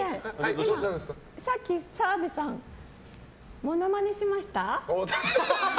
今、さっき澤部さんモノマネしました？